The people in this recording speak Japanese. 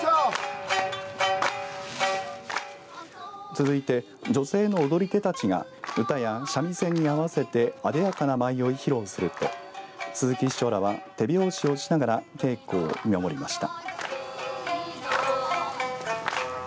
続いて女性の踊り手たちが唄や三味線に合わせてあでやかな舞を披露すると鈴木市長らは手拍子をしながら稽古を見守りました。